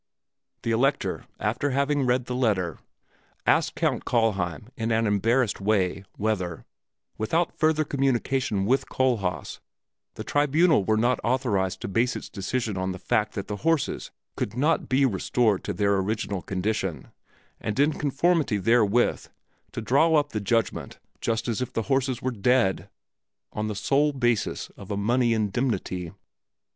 The Elector, after having read the letter, asked Count Kallheim in an embarrassed way whether, without further communication with Kohlhaas, the Tribunal were not authorized to base its decision on the fact that the horses could not be restored to their original condition, and in conformity therewith to draw up the judgment just as if the horses were dead, on the sole basis of a money indemnity.